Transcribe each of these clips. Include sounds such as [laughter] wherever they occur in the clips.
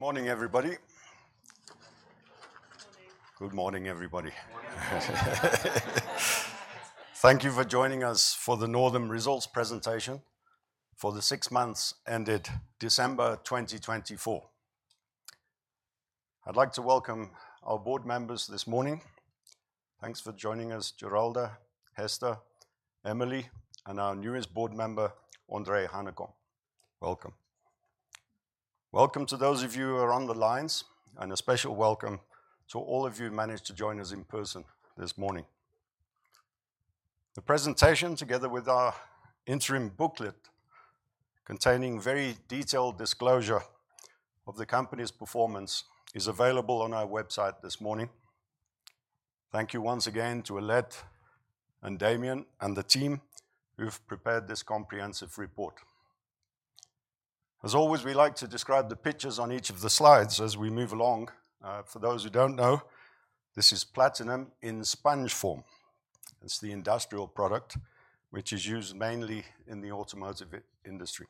Morning, everybody. Good morning, everybody. [crosstalk] Thank you for joining us for the Northam Results Presentation for the six months ended December 2024. I'd like to welcome our board members this morning. Thanks for joining us, Geralda, Hester, Emily, and our newest board member, Andre Hanekom. Welcome. Welcome to those of you who are on the lines, and a special welcome to all of you who managed to join us in person this morning. The presentation, together with our interim booklet containing a very detailed disclosure of the company's performance, is available on our website this morning. Thank you once again to Aletta and Damian and the team who've prepared this comprehensive report. As always, we like to describe the pictures on each of the slides as we move along. For those who don't know, this is platinum in sponge form. It's the industrial product which is used mainly in the automotive industry.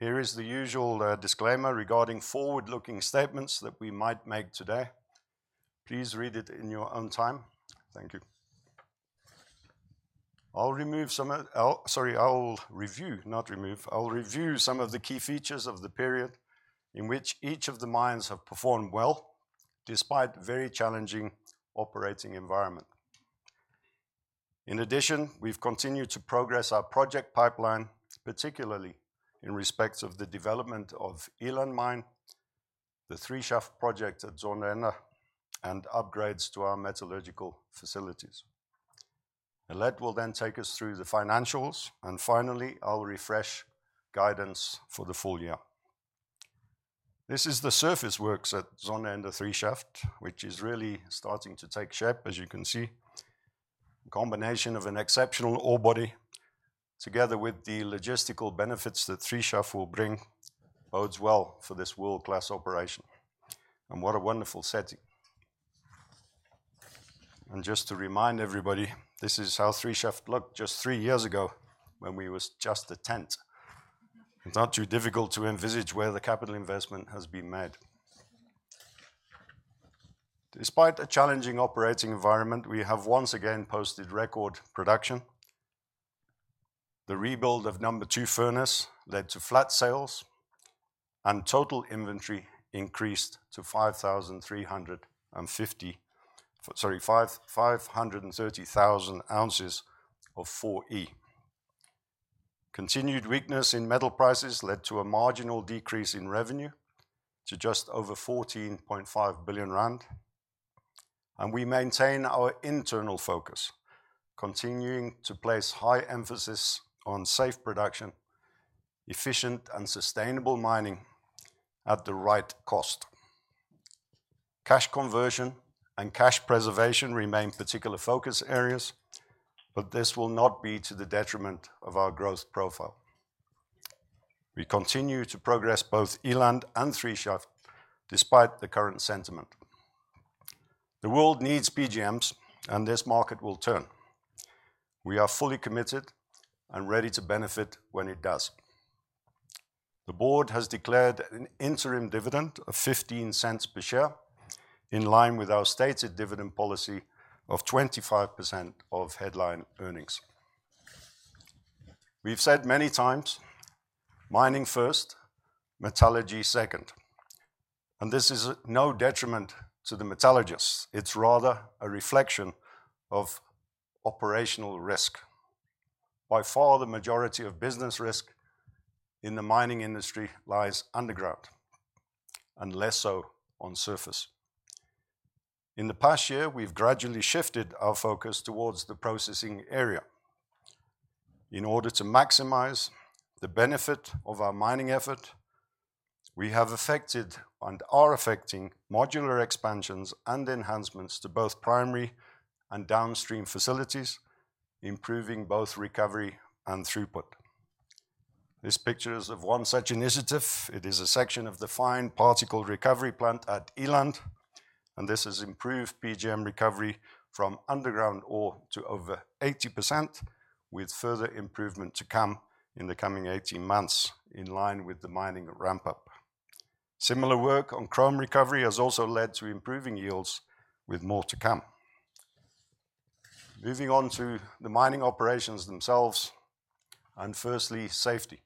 Here is the usual disclaimer regarding forward-looking statements that we might make today. Please read it in your own time. Thank you. I'll remove some, sorry, I'll review, not remove. I'll review some of the key features of the period in which each of the mines have performed well despite a very challenging operating environment. In addition, we've continued to progress our project pipeline, particularly in respect of the development of Eland Mine, the three-shaft project at Zondereinde, and upgrades to our metallurgical facilities. Aletta will then take us through the financials, and finally, I'll refresh guidance for the full year. This is the surface works at Zondereinde Three Shaft, which is really starting to take shape, as you can see. A combination of an exceptional ore body, together with the logistical benefits that Three Shaft will bring, bodes well for this world-class operation. And what a wonderful setting. And just to remind everybody, this is how Three Shaft looked just three years ago when we were just a tent. It's not too difficult to envisage where the capital investment has been made. Despite a challenging operating environment, we have once again posted record production. The rebuild of number two furnace led to flat sales, and total inventory increased to 5,350, sorry, 530,000 ounces of 4E. Continued weakness in metal prices led to a marginal decrease in revenue to just over 14.5 billion rand. We maintain our internal focus, continuing to place high emphasis on safe production, efficient, and sustainable mining at the right cost. Cash conversion and cash preservation remain particular focus areas, but this will not be to the detriment of our growth profile. We continue to progress both Eland and Three Shaft despite the current sentiment. The world needs PGMs, and this market will turn. We are fully committed and ready to benefit when it does. The board has declared an interim dividend of 0.15 per share, in line with our stated dividend policy of 25% of headline earnings. We've said many times, mining first, metallurgy second. And this is no detriment to the metallurgists. It's rather a reflection of operational risk. By far, the majority of business risk in the mining industry lies underground and less so on surface. In the past year, we've gradually shifted our focus towards the processing area. In order to maximize the benefit of our mining effort, we have affected and are affecting modular expansions and enhancements to both primary and downstream facilities, improving both recovery and throughput. This picture is of one such initiative. It is a section of the fine particle recovery plant at Eland, and this has improved PGM recovery from underground ore to over 80%, with further improvement to come in the coming 18 months, in line with the mining ramp-up. Similar work on chrome recovery has also led to improving yields with more to come. Moving on to the mining operations themselves, and firstly, safety.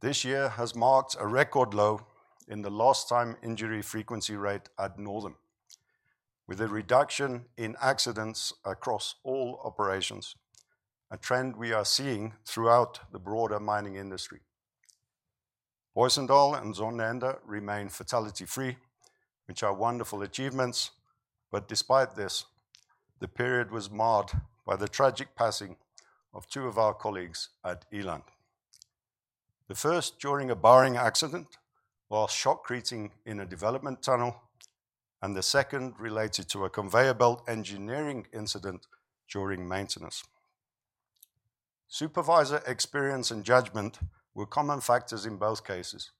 This year has marked a record low in the lost-time injury frequency rate at Northam, with a reduction in accidents across all operations, a trend we are seeing throughout the broader mining industry. Booysendal and Zondereinde remain fatality-free, which are wonderful achievements, but despite this, the period was marred by the tragic passing of two of our colleagues at Eland. The first during a boring accident while shotcreting in a development tunnel, and the second related to a conveyor belt engineering incident during maintenance. Supervisor experience and judgment were common factors in both cases,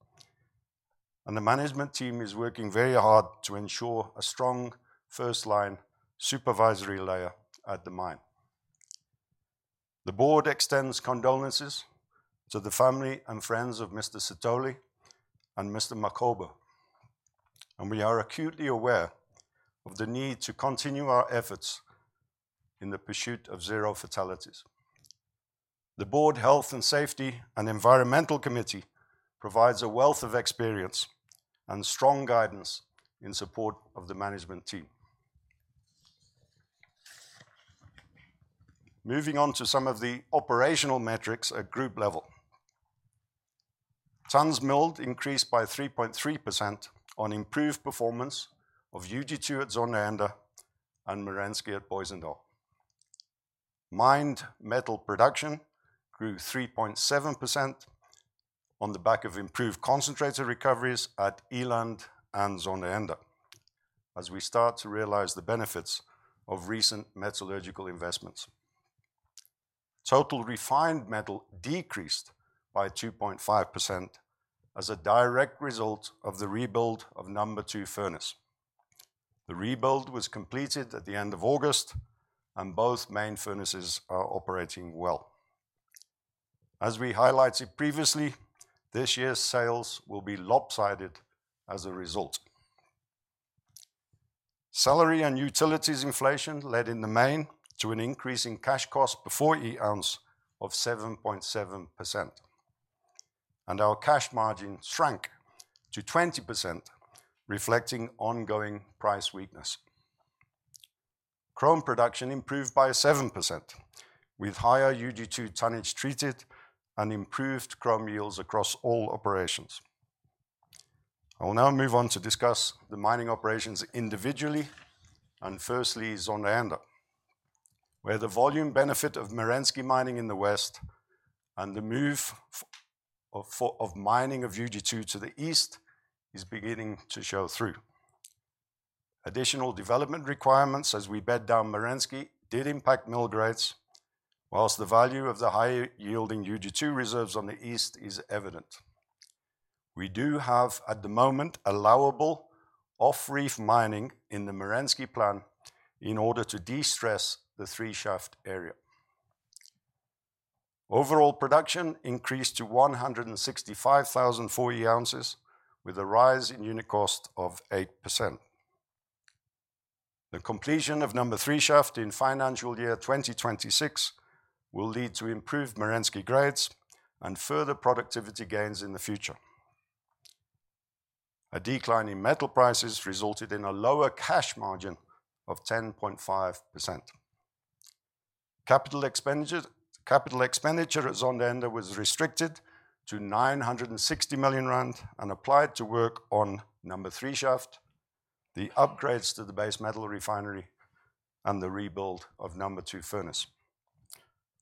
and the management team is working very hard to ensure a strong first-line supervisory layer at the mine. The board extends condolences to the family and friends of Mr. Sithole and Mr. Makhoba, and we are acutely aware of the need to continue our efforts in the pursuit of zero fatalities. The board health and safety and environmental committee provides a wealth of experience and strong guidance in support of the management team. Moving on to some of the operational metrics at group level. Tons milled increased by 3.3% on improved performance of UG2 at Zondereinde and Merensky at Booysendal. Mined metal production grew 3.7% on the back of improved concentrator recoveries at Eland and Zondereinde as we start to realize the benefits of recent metallurgical investments. Total refined metal decreased by 2.5% as a direct result of the rebuild of number two furnace. The rebuild was completed at the end of August, and both main furnaces are operating well. As we highlighted previously, this year's sales will be lopsided as a result. Salary and utilities inflation led in the main to an increase in cash costs before 4E of 7.7%, and our cash margin shrank to 20%, reflecting ongoing price weakness. Chrome production improved by 7% with higher UG2 tonnage treated and improved chrome yields across all operations. I will now move on to discuss the mining operations individually and firstly Zondereinde where the volume benefit of Merensky mining in the west and the move of mining of UG2 to the east is beginning to show through. Additional development requirements as we bed down Merensky did impact mill grades while the value of the high-yielding UG2 reserves on the east is evident. We do have at the moment allowable off-reef mining in the Merensky plant in order to de-stress the three-shaft area. Overall production increased to 165,004 4E with a rise in unit cost of 8%. The completion of number Three Shaft in financial year 2026 will lead to improved Merensky grades and further productivity gains in the future. A decline in metal prices resulted in a lower cash margin of 10.5%. Capital expenditure at Zondereinde was restricted to 960 million rand and applied to work on number Three Shaft, the upgrades to the base metal refinery, and the rebuild of number two furnace.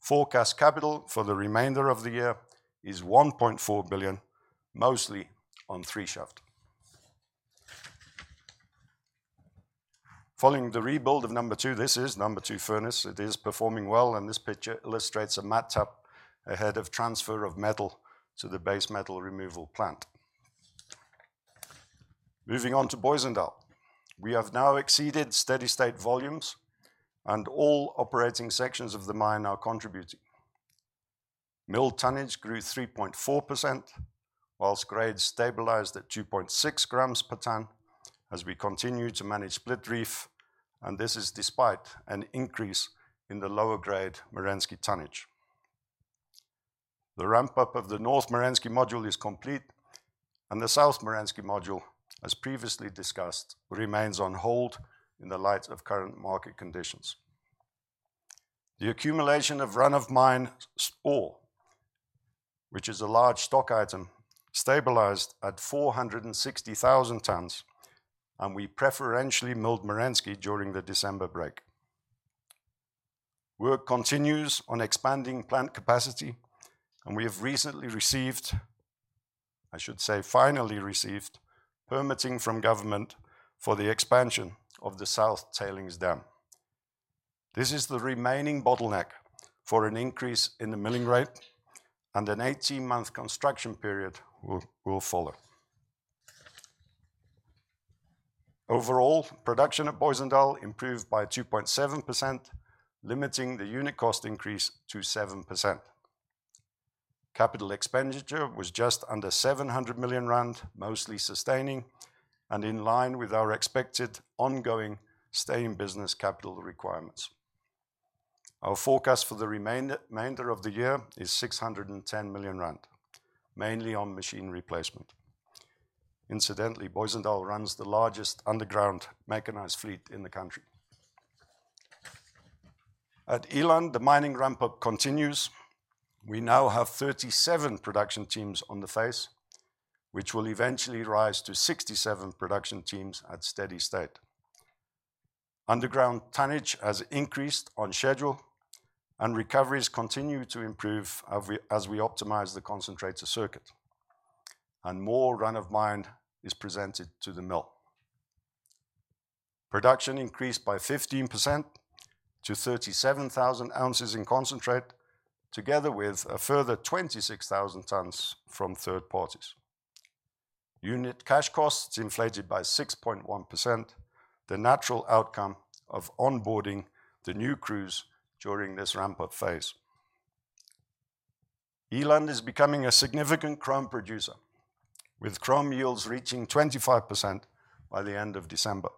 Forecast capital for the remainder of the year is 1.4 billion, mostly on Three Shaft. Following the rebuild of number two, this is number two furnace. It is performing well, and this picture illustrates a matte ahead of transfer of metal to the base metal removal plant. Moving on to Booysendal, we have now exceeded steady-state volumes, and all operating sections of the mine are contributing. Mill tonnage grew 3.4% while grades stabilized at 2.6 grams per ton as we continue to manage split reef, and this is despite an increase in the lower-grade Merensky tonnage. The ramp-up of the north Merensky module is complete, and the south Merensky module, as previously discussed, remains on hold in the light of current market conditions. The accumulation of run-of-mine ore, which is a large stock item, stabilized at 460,000 tons, and we preferentially milled Merensky during the December break. Work continues on expanding plant capacity, and we have recently received, I should say finally received, permitting from government for the expansion of the south tailings dam. This is the remaining bottleneck for an increase in the milling rate, and an 18-month construction period will follow. Overall, production at Booysendal improved by 2.7%, limiting the unit cost increase to 7%. Capital expenditure was just under 700 million rand, mostly sustaining and in line with our expected ongoing stay-in-business capital requirements. Our forecast for the remainder of the year is 610 million rand, mainly on machine replacement. Incidentally, Booysendal runs the largest underground mechanized fleet in the country. At Eland, the mining ramp-up continues. We now have 37 production teams on the face, which will eventually rise to 67 production teams at steady-state. Underground tonnage has increased on schedule, and recoveries continue to improve as we optimize the concentrator circuit, and more run-of-mine is presented to the mill. Production increased by 15% to 37,000 ounces in concentrate, together with a further 26,000 tons from third parties. Unit cash costs inflated by 6.1%, the natural outcome of onboarding the new crews during this ramp-up phase. Eland is becoming a significant chrome producer, with chrome yields reaching 25% by the end of December,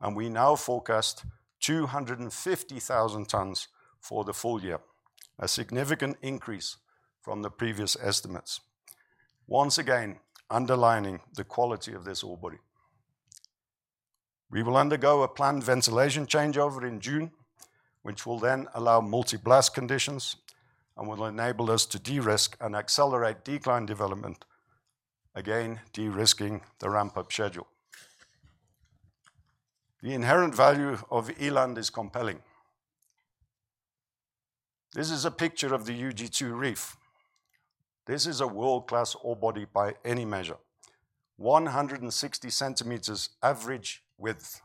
and we now forecast 250,000 tons for the full year, a significant increase from the previous estimates, once again underlining the quality of this ore body. We will undergo a planned ventilation changeover in June, which will then allow multi-blast conditions and will enable us to de-risk and accelerate decline development, again de-risking the ramp-up schedule. The inherent value of Eland is compelling. This is a picture of the UG2 reef. This is a world-class ore body by any measure, 160 centimeters average width.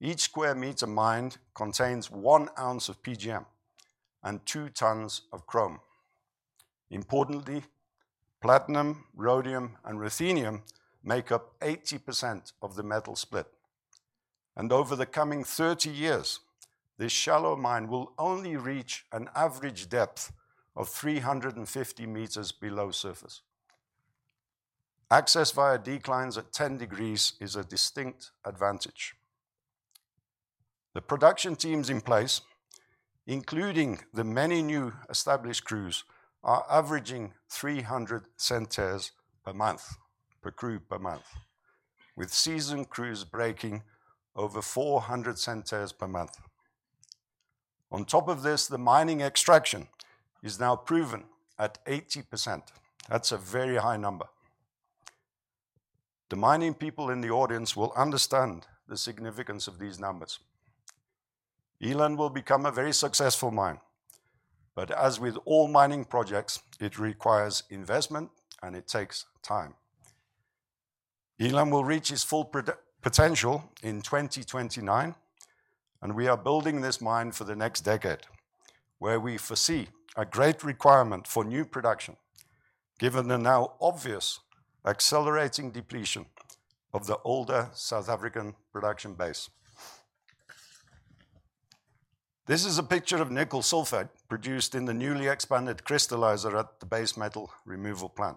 Each square meter mined contains one ounce of PGM and two tons of chrome. Importantly, platinum, Rhodium, and ruthenium make up 80% of the metal split, and over the coming 30 years, this shallow mine will only reach an average depth of 350 meters below surface. Access via declines at 10 degrees is a distinct advantage. The production teams in place, including the many new established crews, are averaging 300 centares per month per crew per month, with seasoned crews breaking over 400 centares per month. On top of this, the mining extraction is now proven at 80%. That's a very high number. The mining people in the audience will understand the significance of these numbers. Eland will become a very successful mine, but as with all mining projects, it requires investment and it takes time. Eland will reach its full potential in 2029, and we are building this mine for the next decade, where we foresee a great requirement for new production, given the now obvious accelerating depletion of the older South African production base. This is a picture of nickel sulfate produced in the newly expanded crystallizer at the base metal removal plant.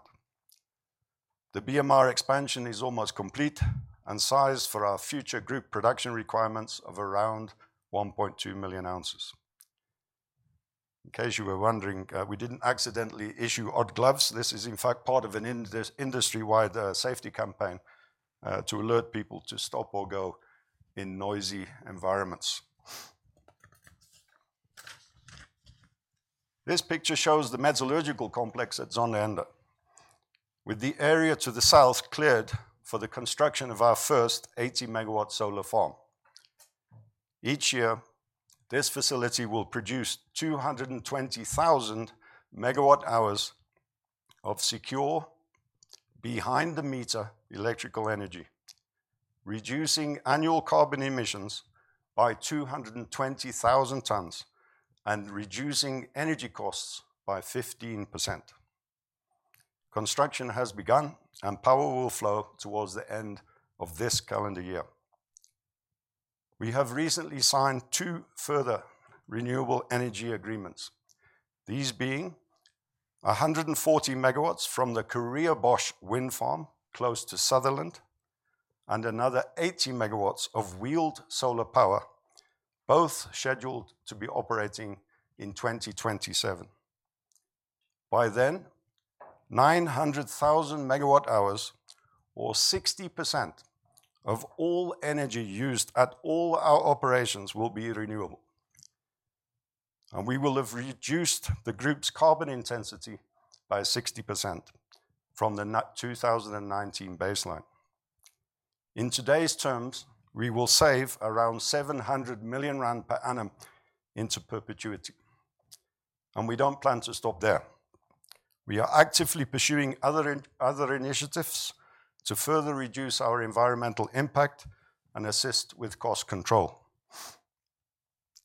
The BMR expansion is almost complete and sized for our future group production requirements of around 1.2 million ounces. In case you were wondering, we didn't accidentally issue odd gloves. This is, in fact, part of an industry-wide safety campaign to alert people to stop or go in noisy environments. This picture shows the metallurgical complex at Zondereinde with the area to the south cleared for the construction of our first 80 MW solar farm. Each year, this facility will produce 220,000 MWh of secure behind-the-meter electrical energy, reducing annual carbon emissions by 220,000 tons and reducing energy costs by 15%. Construction has begun and power will flow towards the end of this calendar year. We have recently signed two further renewable energy agreements, these being 140 MW from the Karreebosch wind farm close to Sutherland and another 80 MW of wheeled solar power, both scheduled to be operating in 2027. By then, 900,000 MWh or 60% of all energy used at all our operations will be renewable, and we will have reduced the group's carbon intensity by 60% from the 2019 baseline. In today's terms, we will save around 700 million rand per annum into perpetuity, and we don't plan to stop there. We are actively pursuing other initiatives to further reduce our environmental impact and assist with cost control.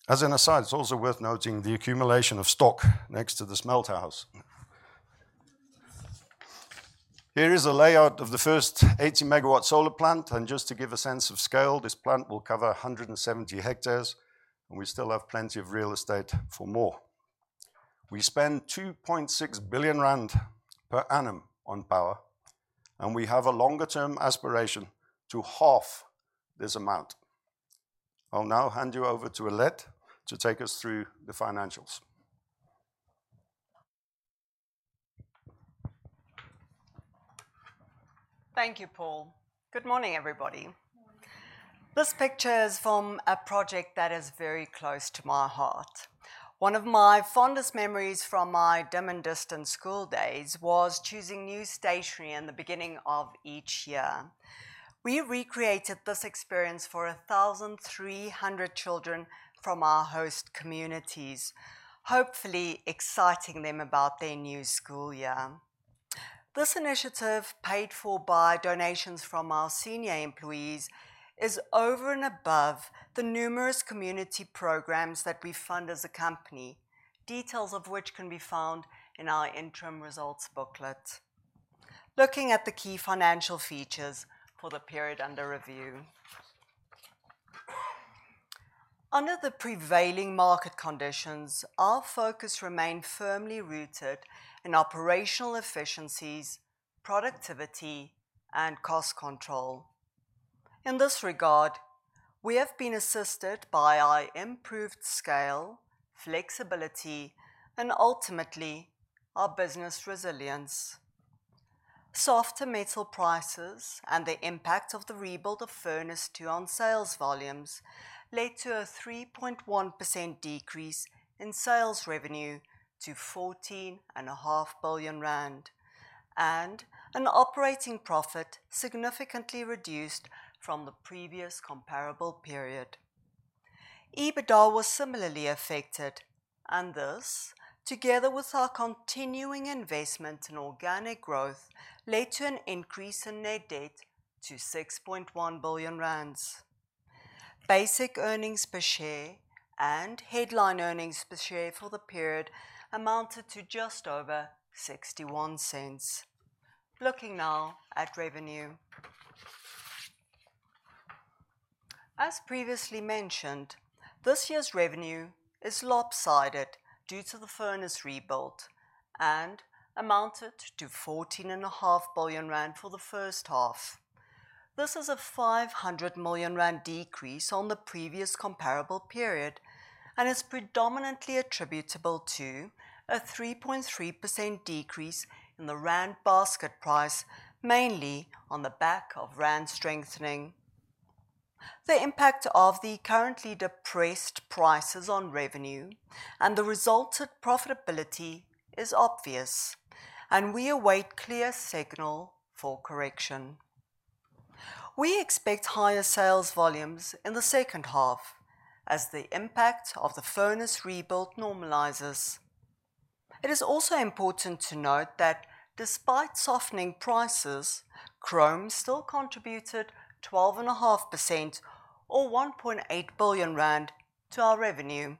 As an aside, it's also worth noting the accumulation of stock next to this melthouse. Here is a layout of the first 80 MW solar plant, and just to give a sense of scale, this plant will cover 170 hectares, and we still have plenty of real estate for more. We spend 2.6 billion rand per annum on power, and we have a longer-term aspiration to half this amount. I'll now hand you over to Aletta to take us through the financials. Thank you, Paul. Good morning, everybody. This picture is from a project that is very close to my heart. One of my fondest memories from my dumb and distant school days was choosing new stationery in the beginning of each year. We recreated this experience for 1,300 children from our host communities, hopefully exciting them about their new school year. This initiative, paid for by donations from our senior employees, is over and above the numerous community programs that we fund as a company, details of which can be found in our interim results booklet, looking at the key financial features for the period under review. Under the prevailing market conditions, our focus remained firmly rooted in operational efficiencies, productivity, and cost control. In this regard, we have been assisted by our improved scale, flexibility, and ultimately our business resilience. Softer metal prices and the impact of the rebuild of furnace two on sales volumes led to a 3.1% decrease in sales revenue to 14.5 billion rand, and an operating profit significantly reduced from the previous comparable period. EBITDA was similarly affected, and this, together with our continuing investment in organic growth, led to an increase in net debt to 6.1 billion rand. Basic earnings per share and headline earnings per share for the period amounted to just over 0.61. Looking now at revenue. As previously mentioned, this year's revenue is lopsided due to the furnace rebuild and amounted to 14.5 billion rand for the first half. This is a 500 million rand decrease on the previous comparable period and is predominantly attributable to a 3.3% decrease in the rand basket price, mainly on the back of rand strengthening. The impact of the currently depressed prices on revenue and the resultant profitability is obvious, and we await clear signal for correction. We expect higher sales volumes in the second half as the impact of the furnace rebuild normalizes. It is also important to note that despite softening prices, chrome still contributed 12.5% or 1.8 billion rand to our revenue.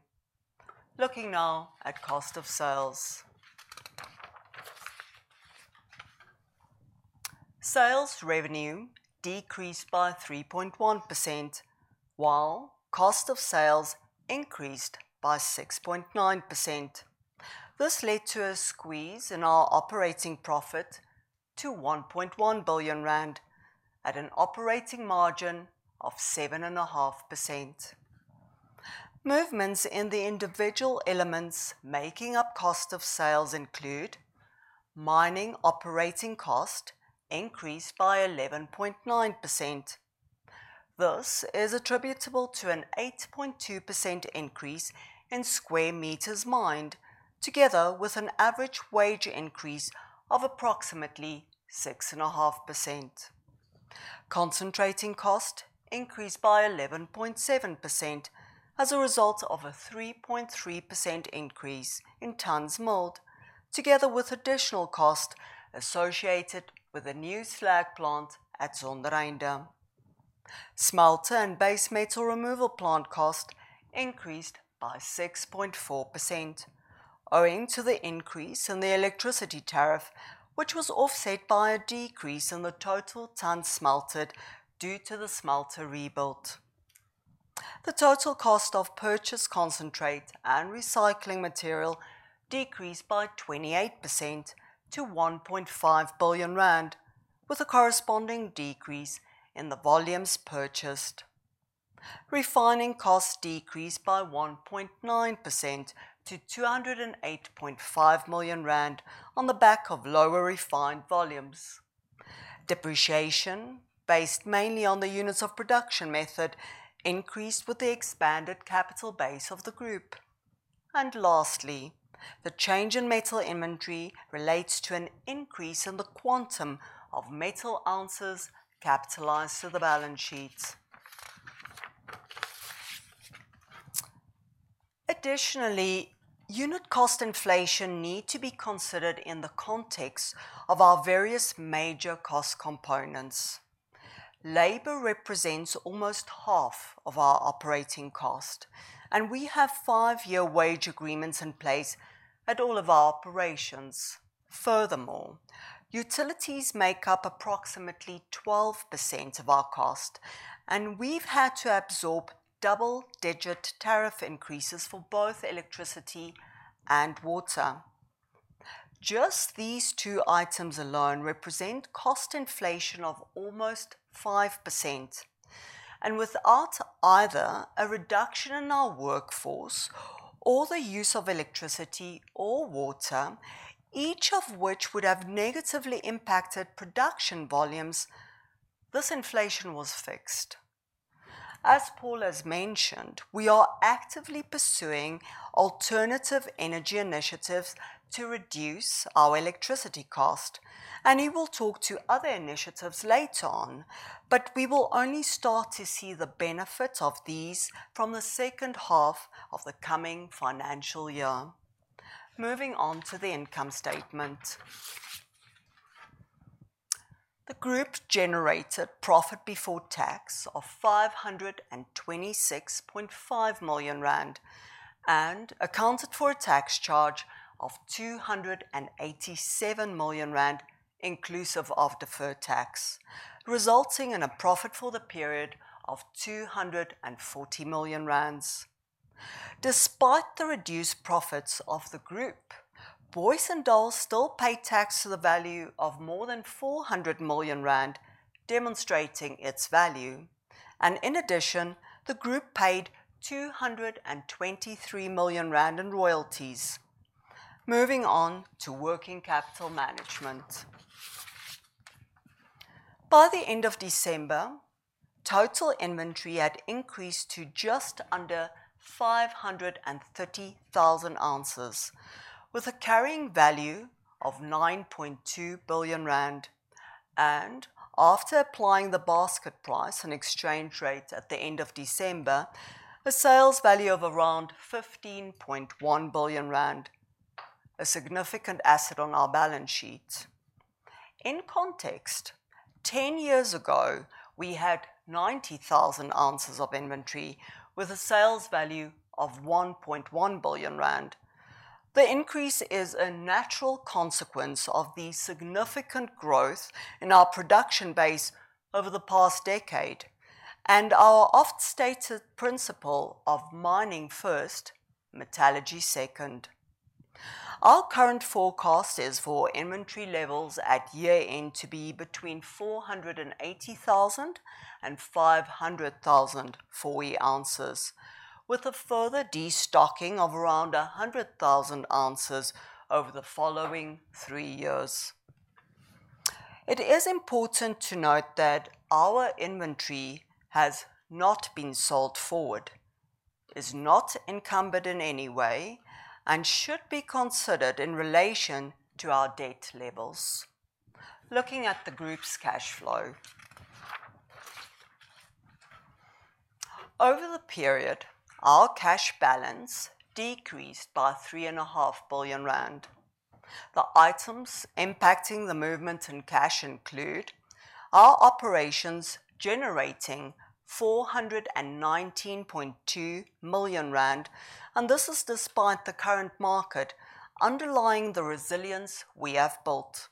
Looking now at cost of sales. Sales revenue decreased by 3.1%, while cost of sales increased by 6.9%. This led to a squeeze in our operating profit to 1.1 billion rand at an operating margin of 7.5%. Movements in the individual elements making up cost of sales include mining operating cost increased by 11.9%. This is attributable to an 8.2% increase in square meters mined, together with an average wage increase of approximately 6.5%. Concentrator cost increased by 11.7% as a result of a 3.3% increase in tons milled, together with additional cost associated with a new slag plant at Zondereinde. Smelter and base metal removal plant cost increased by 6.4%, owing to the increase in the electricity tariff, which was offset by a decrease in the total tons smelted due to the smelter rebuild. The total cost of purchase concentrate and recycling material decreased by 28% to 1.5 billion rand, with a corresponding decrease in the volumes purchased. Refining cost decreased by 1.9% to 208.5 million rand on the back of lower refined volumes. Depreciation, based mainly on the units of production method, increased with the expanded capital base of the group. And lastly, the change in metal inventory relates to an increase in the quantum of metal ounces capitalized to the balance sheets. Additionally, unit cost inflation needs to be considered in the context of our various major cost components. Labor represents almost half of our operating cost, and we have five-year wage agreements in place at all of our operations. Furthermore, utilities make up approximately 12% of our cost, and we've had to absorb double-digit tariff increases for both electricity and water. Just these two items alone represent cost inflation of almost 5%, and without either a reduction in our workforce or the use of electricity or water, each of which would have negatively impacted production volumes, this inflation was fixed. As Paul has mentioned, we are actively pursuing alternative energy initiatives to reduce our electricity cost, and he will talk to other initiatives later on, but we will only start to see the benefit of these from the second half of the coming financial year. Moving on to the income statement. The group generated profit before tax of 526.5 million rand and accounted for a tax charge of 287 million rand inclusive of deferred tax, resulting in a profit for the period of 240 million rand. Despite the reduced profits of the group, Booysendal still paid tax to the value of more than 400 million rand, demonstrating its value. And in addition, the group paid 223 million rand in royalties. Moving on to working capital management. By the end of December, total inventory had increased to just under 530,000 ounces, with a carrying value of 9.2 billion rand. And after applying the basket price and exchange rate at the end of December, a sales value of around 15.1 billion rand, a significant asset on our balance sheet. In context, 10 years ago, we had 90,000 ounces of inventory with a sales value of 1.1 billion rand. The increase is a natural consequence of the significant growth in our production base over the past decade and our oft-stated principle of mining first, metallurgy second. Our current forecast is for inventory levels at year-end to be between 480,000 and 500,000 4E ounces, with a further destocking of around 100,000 ounces over the following three years. It is important to note that our inventory has not been sold forward, is not encumbered in any way, and should be considered in relation to our debt levels. Looking at the group's cash flow. Over the period, our cash balance decreased by 3.5 billion rand. The items impacting the movement in cash include our operations generating 419.2 million rand, and this is despite the current market underlying the resilience we have built.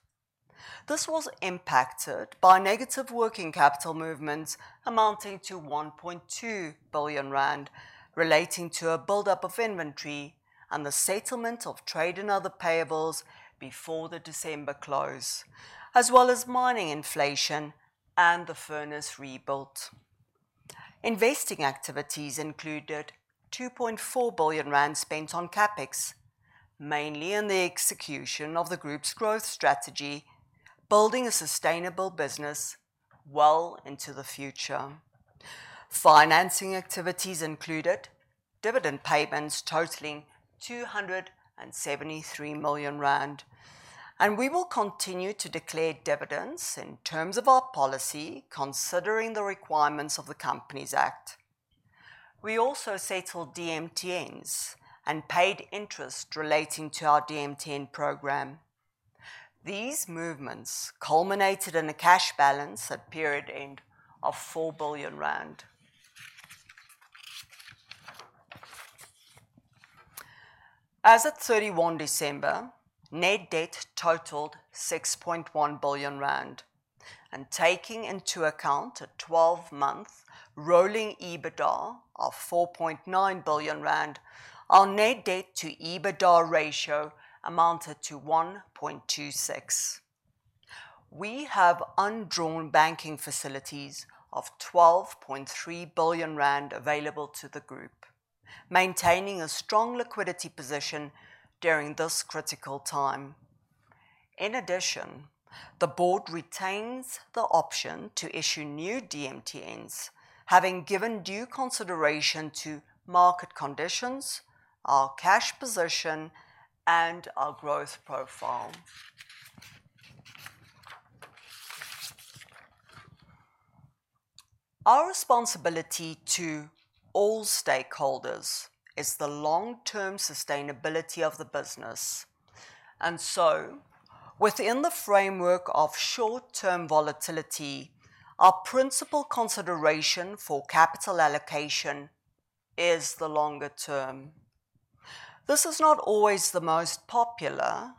This was impacted by negative working capital movements amounting to 1.2 billion rand, relating to a buildup of inventory and the settlement of trade and other payables before the December close, as well as mining inflation and the furnace rebuild. Investing activities included 2.4 billion rand spent on CapEx, mainly in the execution of the group's growth strategy, building a sustainable business well into the future. Financing activities included dividend payments totaling 273 million rand, and we will continue to declare dividends in terms of our policy, considering the requirements of the Companies Act. We also settled DMTNs and paid interest relating to our DMTN program. These movements culminated in a cash balance at period end of four billion rand. As of 31 December, net debt totaled 6.1 billion rand, and taking into account a 12-month rolling EBITDA of 4.9 billion rand, our net debt to EBITDA ratio amounted to 1.26. We have undrawn banking facilities of 12.3 billion rand available to the group, maintaining a strong liquidity position during this critical time. In addition, the board retains the option to issue new DMTNs, having given due consideration to market conditions, our cash position, and our growth profile. Our responsibility to all stakeholders is the long-term sustainability of the business. And so, within the framework of short-term volatility, our principal consideration for capital allocation is the longer term. This is not always the most popular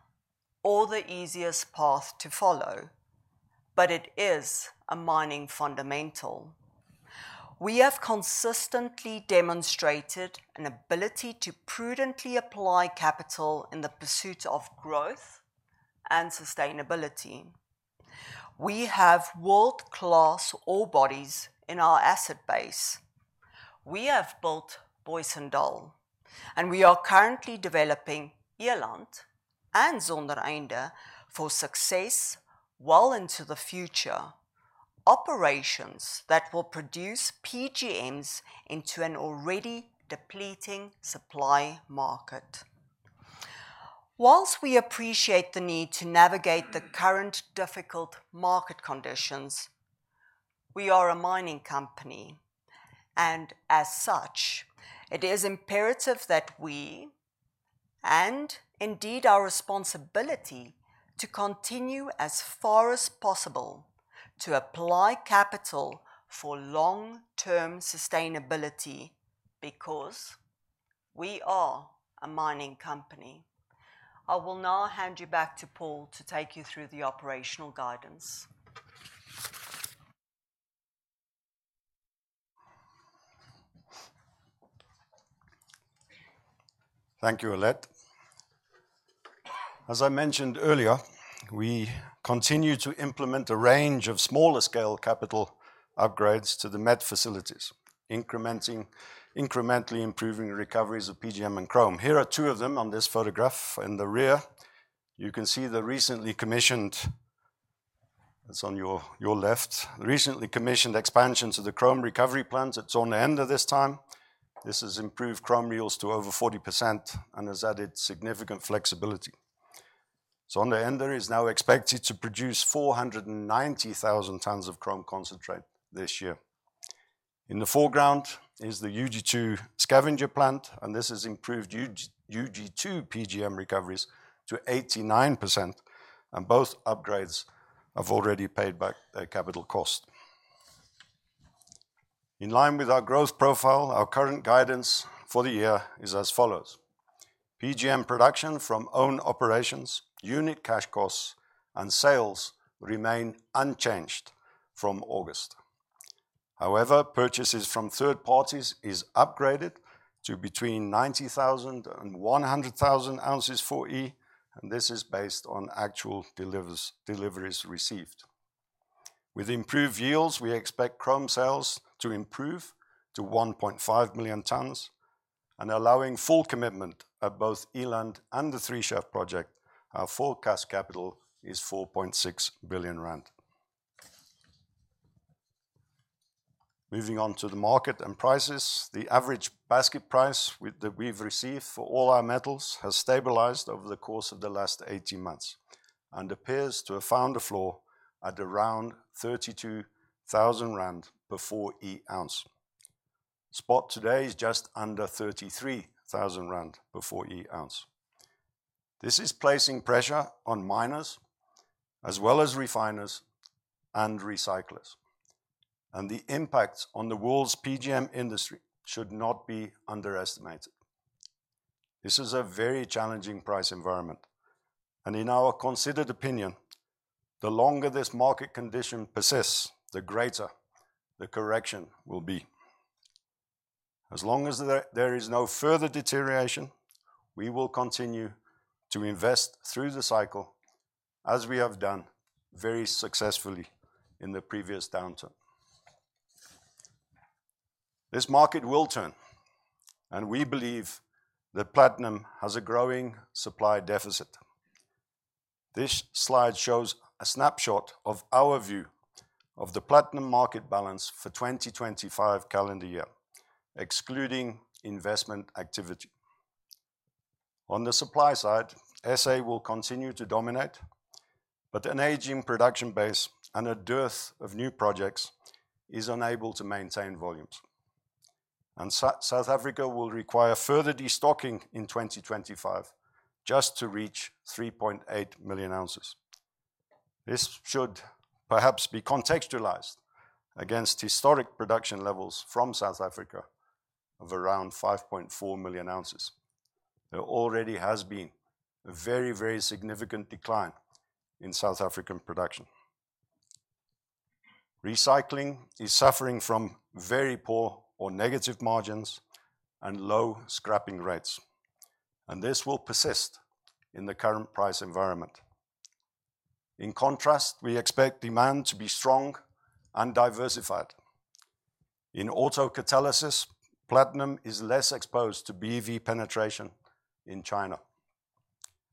or the easiest path to follow, but it is a mining fundamental. We have consistently demonstrated an ability to prudently apply capital in the pursuit of growth and sustainability. We have world-class ore bodies in our asset base. We have built Booysendal, and we are currently developing Eland and Zondereinde for success well into the future, operations that will produce PGMs into an already depleting supply market. While we appreciate the need to navigate the current difficult market conditions, we are a mining company, and as such, it is imperative that we, and indeed our responsibility, continue as far as possible to apply capital for long-term sustainability because we are a mining company. I will now hand you back to Paul to take you through the operational guidance. Thank you, Aletta. As I mentioned earlier, we continue to implement a range of smaller-scale capital upgrades to the met facilities, incrementally improving recoveries of PGM and chrome. Here are two of them on this photograph. In the rear, you can see the recently commissioned, it's on your left, the recently commissioned expansion to the chrome recovery plant at Zondereinde this time. This has improved chrome yields to over 40% and has added significant flexibility. Zondereinde is now expected to produce 490,000 tons of chrome concentrate this year. In the foreground is the UG2 scavenger plant, and this has improved UG2 PGM recoveries to 89%, and both upgrades have already paid back their capital cost. In line with our growth profile, our current guidance for the year is as follows: PGM production from own operations, unit cash costs, and sales remain unchanged from August. However, purchases from third parties are upgraded to between 90,000 and 100,000 ounces 4E, and this is based on actual deliveries received. With improved yields, we expect chrome sales to improve to 1.5 million tons, and allowing full commitment at both Eland and the Three Shaft project, our forecast capital is 4.6 billion rand. Moving on to the market and prices, the average basket price that we've received for all our metals has stabilized over the course of the last 18 months and appears to have found a floor at around 32,000 rand per 4E ounce. Spot today is just under 33,000 rand per 4E ounce. This is placing pressure on miners as well as refiners and recyclers, and the impact on the world's PGM industry should not be underestimated. This is a very challenging price environment, and in our considered opinion, the longer this market condition persists, the greater the correction will be. As long as there is no further deterioration, we will continue to invest through the cycle, as we have done very successfully in the previous downturn. This market will turn, and we believe that platinum has a growing supply deficit. This slide shows a snapshot of our view of the platinum market balance for the 2025 calendar year, excluding investment activity. On the supply side, SA will continue to dominate, but an ageing production base and a dearth of new projects are unable to maintain volumes, and South Africa will require further destocking in 2025 just to reach 3.8 million ounces. This should perhaps be contextualized against historic production levels from South Africa of around 5.4 million ounces. There already has been a very, very significant decline in South African production. Recycling is suffering from very poor or negative margins and low scrapping rates, and this will persist in the current price environment. In contrast, we expect demand to be strong and diversified. In autocatalysts, platinum is less exposed to BEV penetration in China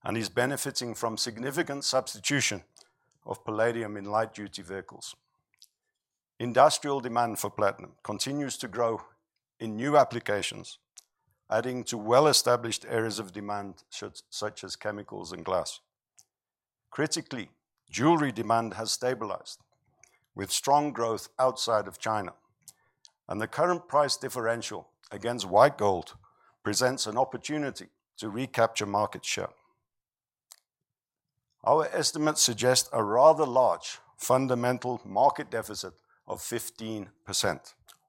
and is benefiting from significant substitution of Palladium in light-duty vehicles. Industrial demand for platinum continues to grow in new applications, adding to well-established areas of demand such as chemicals and glass. Critically, jewelry demand has stabilized with strong growth outside of China, and the current price differential against white gold presents an opportunity to recapture market share. Our estimates suggest a rather large fundamental market deficit of 15%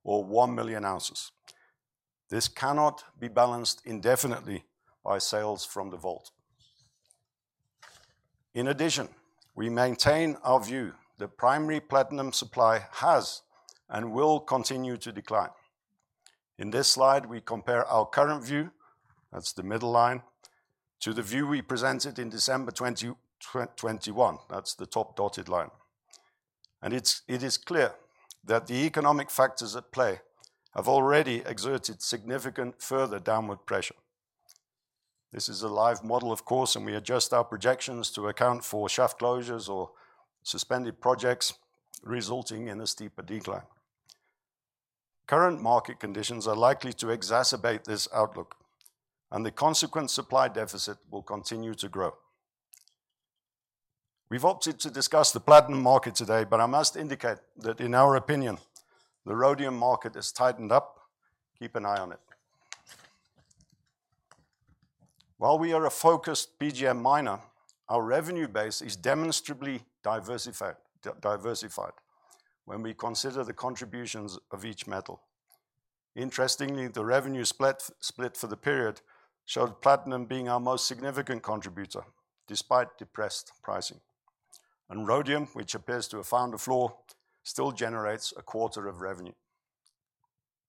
or 1 million ounces. This cannot be balanced indefinitely by sales from the vault. In addition, we maintain our view that primary platinum supply has and will continue to decline. In this slide, we compare our current view (that's the middle line) to the view we presented in December 2021 (that's the top dotted line), and it is clear that the economic factors at play have already exerted significant further downward pressure. This is a live model, of course, and we adjust our projections to account for shaft closures or suspended projects resulting in a steeper decline. Current market conditions are likely to exacerbate this outlook, and the consequent supply deficit will continue to grow. We've opted to discuss the platinum market today, but I must indicate that in our opinion, the Rhodium market has tightened up. Keep an eye on it. While we are a focused PGM miner, our revenue base is demonstrably diversified when we consider the contributions of each metal. Interestingly, the revenue split for the period showed platinum being our most significant contributor despite depressed pricing, and Rhodium, which appears to have found a floor, still generates a quarter of revenue.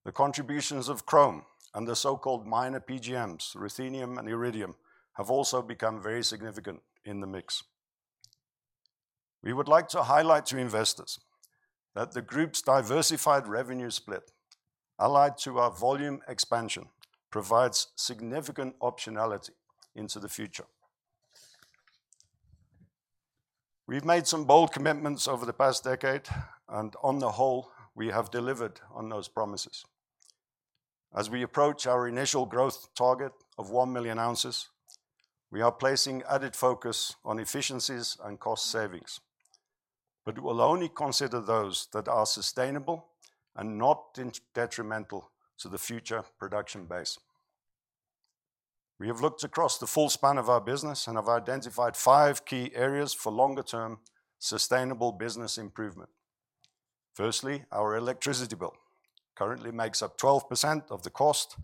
The contributions of chrome and the so-called minor PGMs, ruthenium and iridium, have also become very significant in the mix. We would like to highlight to investors that the group's diversified revenue split, allied to our volume expansion, provides significant optionality into the future. We've made some bold commitments over the past decade, and on the whole, we have delivered on those promises. As we approach our initial growth target of 1 million ounces, we are placing added focus on efficiencies and cost savings, but we'll only consider those that are sustainable and not detrimental to the future production base. We have looked across the full span of our business and have identified five key areas for longer-term sustainable business improvement. Firstly, our electricity bill currently makes up 12% of the cost,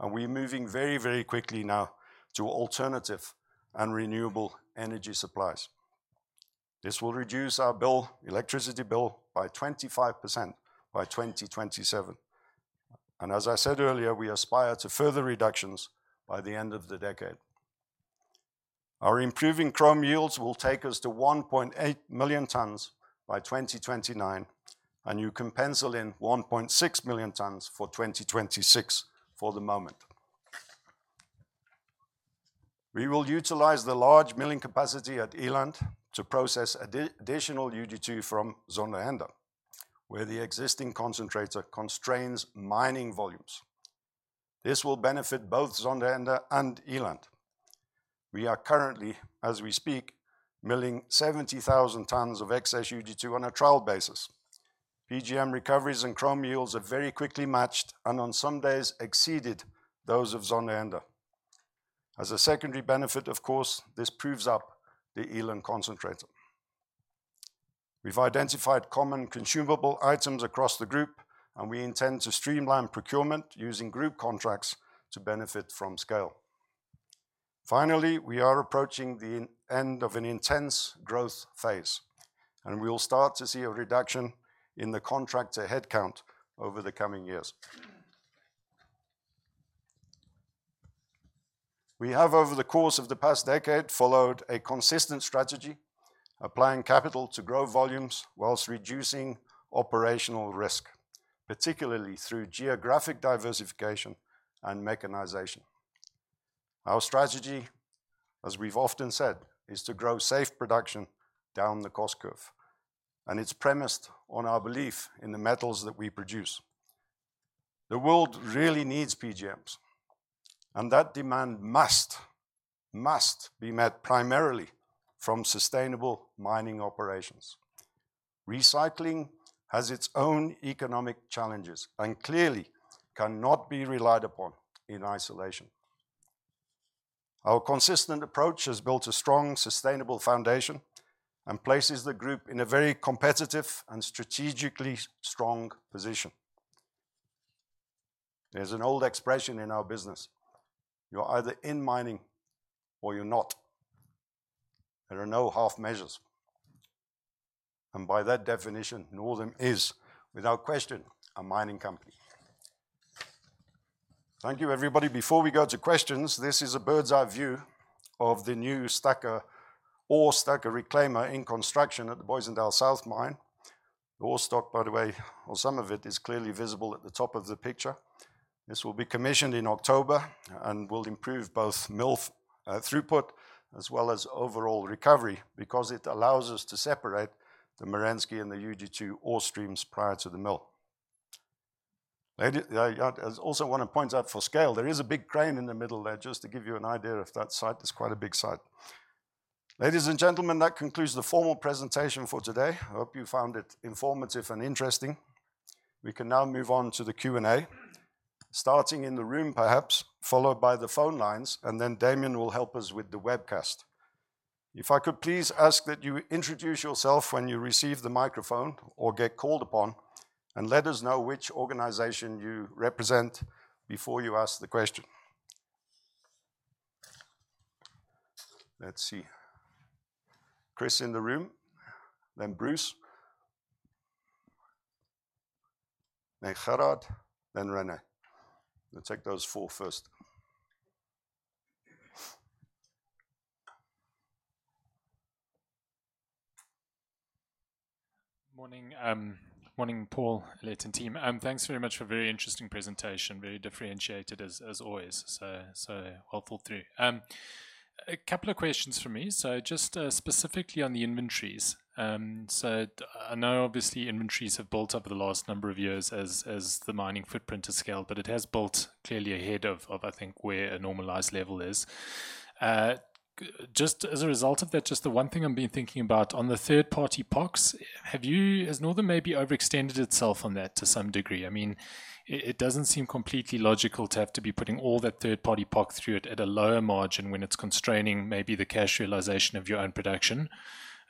and we're moving very, very quickly now to alternative and renewable energy supplies. This will reduce our electricity bill by 25% by 2027. And as I said earlier, we aspire to further reductions by the end of the decade. Our improving chrome yields will take us to 1.8 million tons by 2029, and you can pencil in 1.6 million tons for 2026 for the moment. We will utilize the large milling capacity at Eland to process additional UG2 from Zondereinde, where the existing concentrator constrains mining volumes. This will benefit both Zondereinde and Eland. We are currently, as we speak, milling 70,000 tons of excess UG2 on a trial basis. PGM recoveries and chrome yields have very quickly matched and on some days exceeded those of Zondereinde. As a secondary benefit, of course, this proves up the Eland concentrator. We've identified common consumable items across the group, and we intend to streamline procurement using group contracts to benefit from scale. Finally, we are approaching the end of an intense growth phase, and we will start to see a reduction in the contractor headcount over the coming years. We have, over the course of the past decade, followed a consistent strategy, applying capital to grow volumes whilst reducing operational risk, particularly through geographic diversification and mechanization. Our strategy, as we've often said, is to grow safe production down the cost curve, and it's premised on our belief in the metals that we produce. The world really needs PGMs, and that demand must, must be met primarily from sustainable mining operations. Recycling has its own economic challenges and clearly cannot be relied upon in isolation. Our consistent approach has built a strong, sustainable foundation and places the group in a very competitive and strategically strong position. There's an old expression in our business: you're either in mining or you're not. There are no half measures. And by that definition, Northam is, without question, a mining company. Thank you, everybody. Before we go to questions, this is a bird's-eye view of the new stacker or stacker reclaimer in construction at the Booysendal South mine. The ore stock, by the way, or some of it, is clearly visible at the top of the picture. This will be commissioned in October and will improve both mill throughput as well as overall recovery because it allows us to separate the Merensky and the UG2 ore streams prior to the mill. I also want to point out for scale, there is a big crane in the middle there just to give you an idea of that site. It's quite a big site. Ladies and gentlemen, that concludes the formal presentation for today. I hope you found it informative and interesting. We can now move on to the Q&A, starting in the room perhaps, followed by the phone lines, and then Damian will help us with the webcast. If I could please ask that you introduce yourself when you receive the microphone or get called upon and let us know which organization you represent before you ask the question. Let's see. Chris in the room, then Bruce, then Gerhard, then René. We'll take those four first. Morning. Morning, Paul, Aletta, and team. Thanks very much for a very interesting presentation, very differentiated as always. So I'll follow through. A couple of questions for me. So just specifically on the inventories. So I know obviously inventories have built up over the last number of years as the mining footprint has scaled, but it has built clearly ahead of, I think, where a normalized level is. Just as a result of that, just the one thing I've been thinking about on the third-party POCs, have you, has Northam maybe overextended itself on that to some degree? I mean, it doesn't seem completely logical to have to be putting all that third-party POC through it at a lower margin when it's constraining maybe the cash realization of your own production.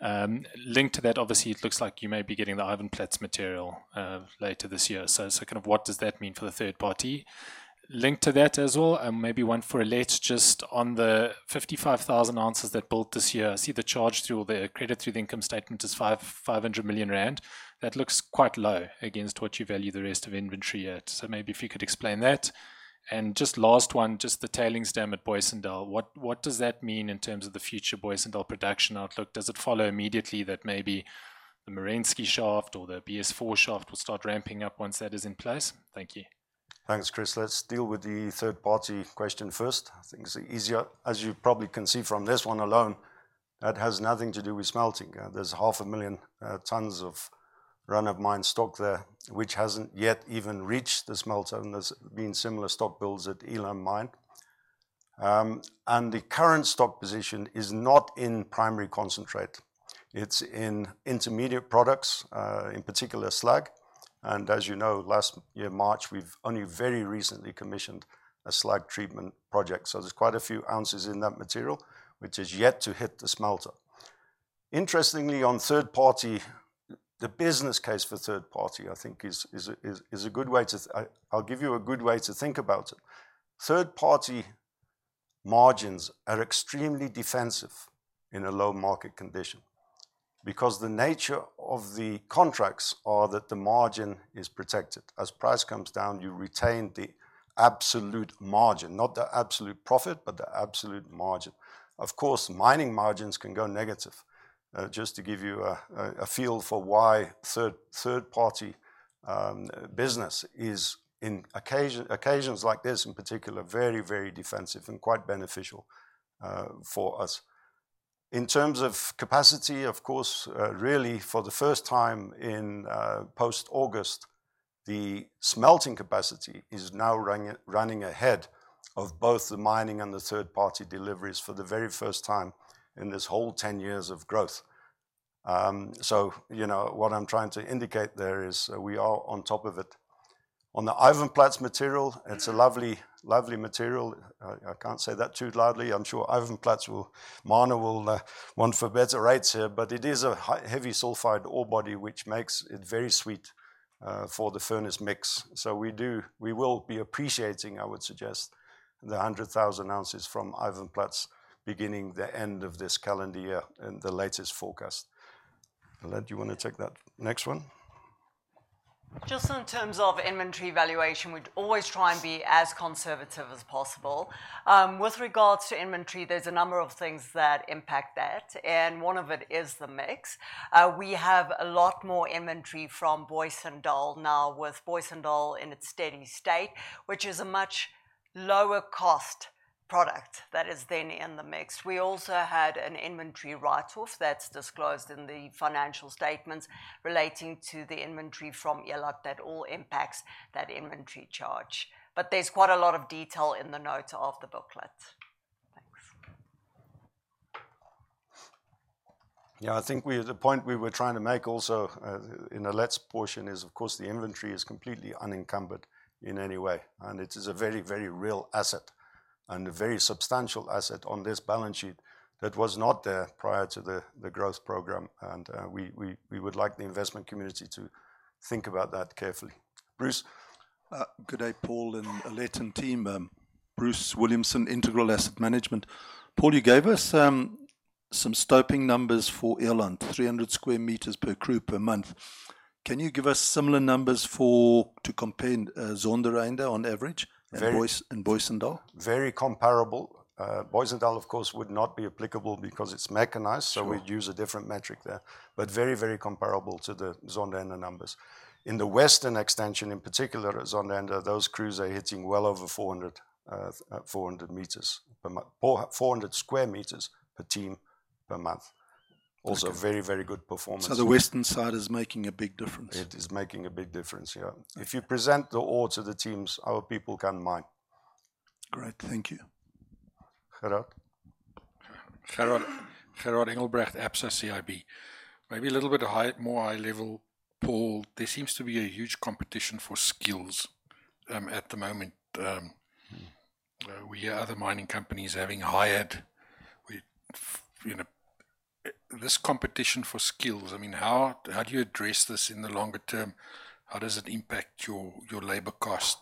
Linked to that, obviously, it looks like you may be getting the Ivanplats material later this year. So kind of what does that mean for the third-party? Linked to that as well, and maybe one for Aletta just on the 55,000 ounces that built this year, I see the charge through the credit through the income statement is 500 million rand. That looks quite low against what you value the rest of inventory yet. So maybe if you could explain that. And just last one, just the tailings dam at Booysendal, what does that mean in terms of the future Booysendal production outlook? Does it follow immediately that maybe the Merensky shaft or the BS4 shaft will start ramping up once that is in place? Thank you. Thanks, Chris. Let's deal with the third-party question first. I think it's easier. As you probably can see from this one alone, that has nothing to do with smelting. There's 500,000 tons of run-of-mine stock there, which hasn't yet even reached the smelter. And there's been similar stock builds at Eland Mine. And the current stock position is not in primary concentrate. It's in intermediate products, in particular slag. And as you know, last year, March, we've only very recently commissioned a slag treatment project. So there's quite a few ounces in that material, which has yet to hit the smelter. Interestingly, on third-party, the business case for third-party, I think, is a good way to. I'll give you a good way to think about it. Third-party margins are extremely defensive in a low market condition because the nature of the contracts is that the margin is protected. As price comes down, you retain the absolute margin, not the absolute profit, but the absolute margin. Of course, mining margins can go negative. Just to give you a feel for why third-party business is, in occasions like this, in particular, very, very defensive and quite beneficial for us. In terms of capacity, of course, really for the first time in post-August, the smelting capacity is now running ahead of both the mining and the third-party deliveries for the very first time in this whole 10 years of growth, so what I'm trying to indicate there is we are on top of it. On the Ivanplats material, it's a lovely, lovely material. I can't say that too loudly. I'm sure Ivanplats will, management will want for better rates here, but it is a heavy sulfide ore body, which makes it very sweet for the furnace mix. So we will be appreciating, I would suggest, the 100,000 ounces from Ivanplats beginning the end of this calendar year and the latest forecast. Aletta, do you want to take that next one? Just in terms of inventory valuation, we'd always try and be as conservative as possible. With regards to inventory, there's a number of things that impact that, and one of it is the mix. We have a lot more inventory from Booysendal now with Booysendal in its steady state, which is a much lower-cost product that is then in the mix. We also had an inventory write-off that's disclosed in the financial statements relating to the inventory from Eland that all impacts that inventory charge. But there's quite a lot of detail in the notes of the booklet. Thanks. Yeah, I think the point we were trying to make also in Aletta's portion is, of course, the inventory is completely unencumbered in any way, and it is a very, very real asset and a very substantial asset on this balance sheet that was not there prior to the growth program, and we would like the investment community to think about that carefully. Bruce. Good day, Paul and Aletta and team. Bruce Williamson, Integral Asset Management. Paul, you gave us some stope numbers for Eland, 300 square meters per crew per month. Can you give us similar numbers to compare Zondereinde on average and Booysendal? Very comparable. Booysendal, of course, would not be applicable because it's mechanized, so we'd use a different metric there. But very, very comparable to the Zondereinde numbers. In the western extension, in particular, Zondereinde, those crews are hitting well over 400 meters, 400 square meters per team per month. Also very, very good performance. So the western side is making a big difference. It is making a big difference, yeah. If you present the ore to the teams, our people can mine. Great, thank you. Hello. Gerhard Engelbrecht, Absa CIB. Maybe a little bit more eye level, Paul. There seems to be a huge competition for skills at the moment. We hear other mining companies having hired. This competition for skills, I mean, how do you address this in the longer term? How does it impact your labor cost?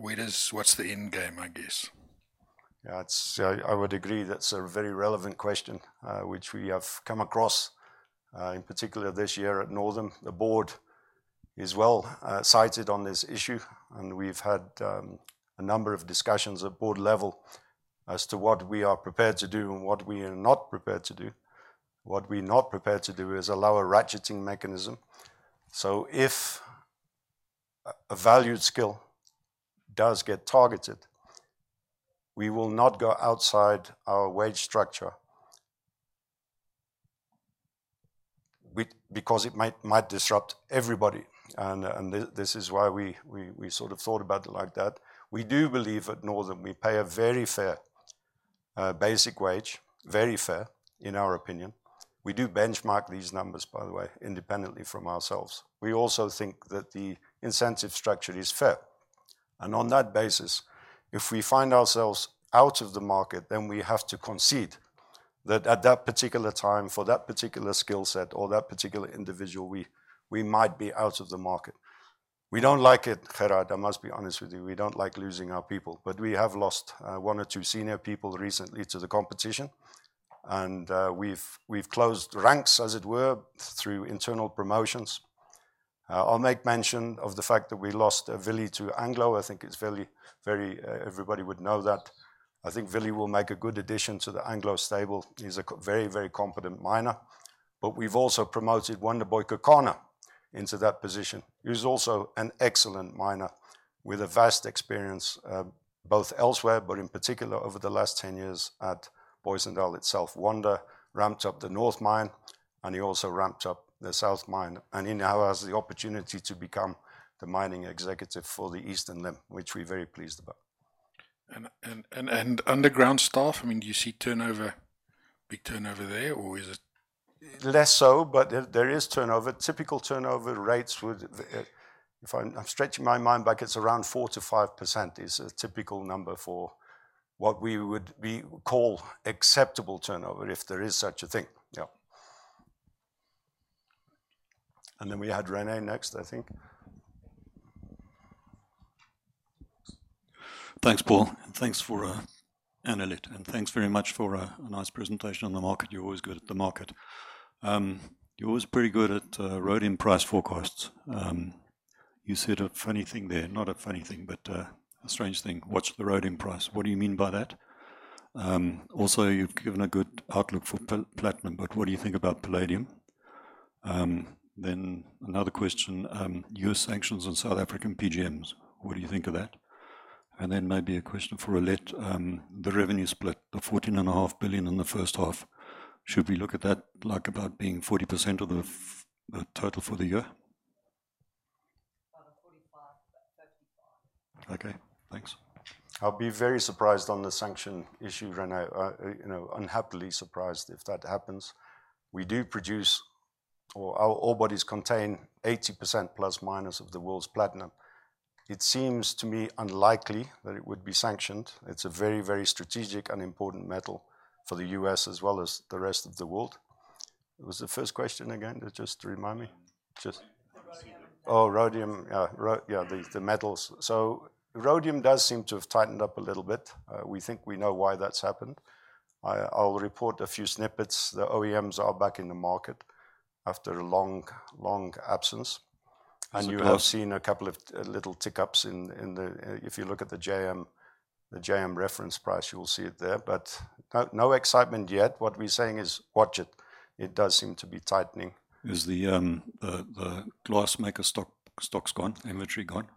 What's the end game, I guess? Yeah, I would agree that's a very relevant question, which we have come across in particular this year at Northam. The board is well sighted on this issue, and we've had a number of discussions at board level as to what we are prepared to do and what we are not prepared to do. What we're not prepared to do is allow a ratcheting mechanism. So if a valued skill does get targeted, we will not go outside our wage structure because it might disrupt everybody. And this is why we sort of thought about it like that. We do believe at Northam, we pay a very fair basic wage, very fair in our opinion. We do benchmark these numbers, by the way, independently from ourselves. We also think that the incentive structure is fair. And on that basis, if we find ourselves out of the market, then we have to concede that at that particular time, for that particular skill set or that particular individual, we might be out of the market. We don't like it, Gerhard. I must be honest with you. We don't like losing our people, but we have lost one or two senior people recently to the competition. And we've closed ranks, as it were, through internal promotions. I'll make mention of the fact that we lost a Willie to Anglo. I think it's Willie; everybody would know that. I think Willie will make a good addition to the Anglo stable. He's a very, very competent miner. But we've also promoted Wonderboy Kekana into that position. He's also an excellent miner with a vast experience both elsewhere, but in particular over the last 10 years at Booysendal itself. Wonder ramped up the north mine, and he also ramped up the south mine, and he now has the opportunity to become the mining executive for the eastern limb, which we're very pleased about. Underground staff, I mean, do you see turnover, big turnover there, or is it? Less so, but there is turnover. Typical turnover rates would, if I'm stretching my mind back, it's around 4%-5% is a typical number for what we would call acceptable turnover if there is such a thing. Yeah. Then we had René next, I think. Thanks, Paul. And thanks, Aletta, and thanks very much for a nice presentation on the market. You're always good at the market. You're always pretty good at Rhodium price forecasts. You said a funny thing there, not a funny thing, but a strange thing. What's the Rhodium price? What do you mean by that? Also, you've given a good outlook for platinum, but what do you think about Palladium? Then another question, U.S. sanctions on South African PGMs. What do you think of that? And then maybe a question for Aletta, the revenue split, the 14.5 billion in the first half, should we look at that like about being 40% of the total for the year? About a 45, but 35. Okay, thanks. I'll be very surprised on the sanction issue, René. Unhappily surprised if that happens. We do produce, or our ore bodies contain 80% plus minus of the world's platinum. It seems to me unlikely that it would be sanctioned. It's a very, very strategic and important metal for the U.S. as well as the rest of the world. Was the first question again? Just to remind me. Oh, Rhodium, yeah, the metals. So Rhodium does seem to have tightened up a little bit. We think we know why that's happened. I'll report a few snippets. The OEMs are back in the market after a long, long absence, and you have seen a couple of little tick ups in the JM reference price if you look at it; you'll see it there, but no excitement yet. What we're saying is watch it. It does seem to be tightening. Is the glassmakers' stocks gone? Inventory gone?